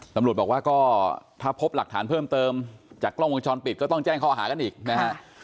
ตำรวจบอกว่าก็ถ้าพบหลักฐานเพิ่มเติมจากกล้องวงจรปิดก็ต้องแจ้งข้อหากันอีกนะฮะ